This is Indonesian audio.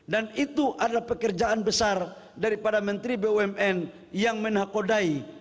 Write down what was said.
dan itu adalah pekerjaan besar daripada menteri bumn yang menakodai